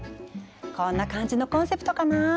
こんな感じのコンセプトかな。